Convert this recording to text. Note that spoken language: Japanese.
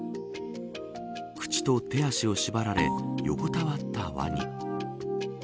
口と手足を縛られ横たわったワニ。